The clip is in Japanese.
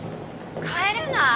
帰れない？